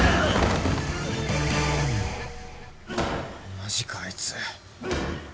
マジかあいつ。